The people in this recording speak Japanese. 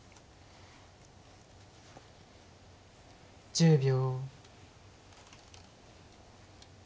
１０秒。